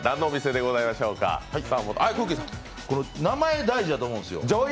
名前大事やと思うんですよ。